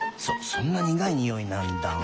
そんなにがいにおいなんだ。